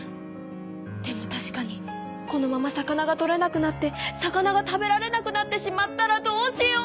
でもたしかにこのまま魚がとれなくなって魚が食べられなくなってしまったらどうしよう。